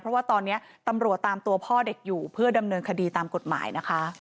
เพราะว่าตอนนี้ตำรวจตามตัวพ่อเด็กอยู่เพื่อดำเนินคดีตามกฎหมายนะคะ